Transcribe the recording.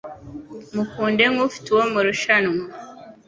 Mukunde nk'ufite uwo murushanwa